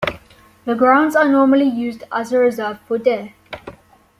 The grounds are normally used as a reserve for deer.